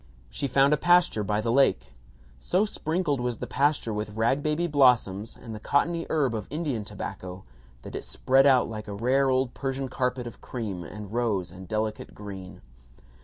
She found a pasture by the lake. So sprinkled was the pasture with rag baby blossoms and the cottony herb of Indian tobacco that it spread out like a rare old Persian carpet of cream and rose and delicate green.